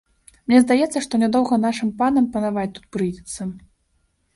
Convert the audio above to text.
Мне здаецца, што нядоўга нашым панам панаваць тут прыйдзецца.